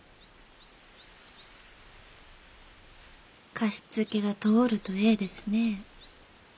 貸し付けが通るとええですねえ。